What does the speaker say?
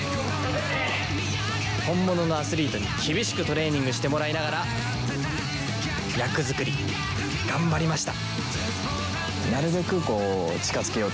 本物のアスリートに厳しくトレーニングしてもらいながら役作り頑張りました。